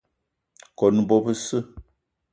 Kone bo besse